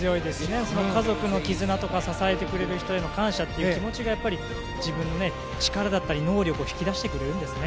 家族の絆とか支えてくれる人への感謝という気持ちがやっぱり自分の力だったり能力を引き出してくれるんですね。